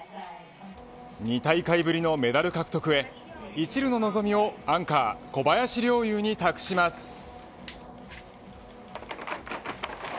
２大会ぶりのメダル獲得へいちるの望みをアンカー小林陵侑に託します。